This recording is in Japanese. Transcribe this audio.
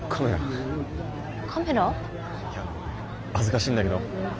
いや恥ずかしいんだけど